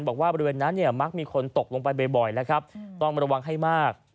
บอกว่าบริเวณนั้นมักมีคนตกลงไปบ่อยแล้วครับต้องมาระวังให้มาก